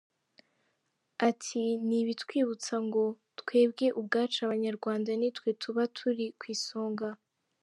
Ati “Ni ibitwibutsa ngo twebwe ubwacu abanyarwanda nitwe tuba turi ku isonga.